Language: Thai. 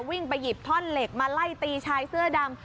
วิ่งไปหยิบท่อนเหล็กมาไล่ตีชายเสื้อดำ